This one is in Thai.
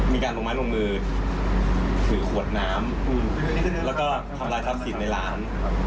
มีการลงไม้ลงมือถือขวดน้ำแล้วก็ทำลายทรัพย์สินในร้าน